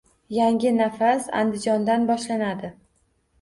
“Yangi nafas” Andijondan boshlandi